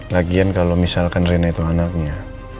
lagian kalau misalkan rina itu anaknya